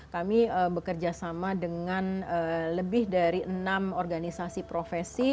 kami bekerjasama dengan lebih dari enam orang